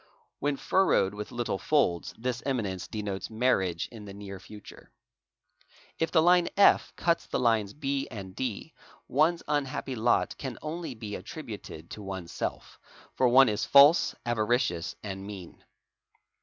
Whe furrowed with little folds, this eminence denotes marriage in the neg future. If the line F cuts the lines B and D, one's unhappy lot can onl be attributed to'oneself, for one is false, avaricious, and mean.